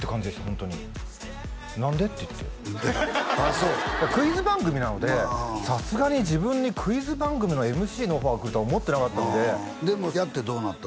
ホントに「何で？」って言ってああそうクイズ番組なのでさすがに自分にクイズ番組のＭＣのオファーが来るとは思ってなかったのででもやってどうなった？